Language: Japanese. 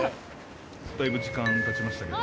だいぶ時間たちましたけど。